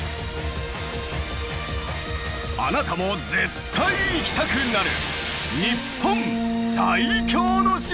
あなたも絶対行きたくなる！